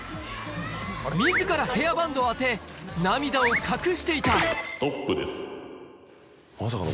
・自らヘアバンドを当て涙を隠していたまさかの。